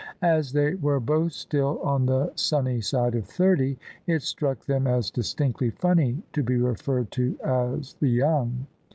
As they were both still on the sunny side of thirty, it struck them as distinctly funny to be referred to as " the young."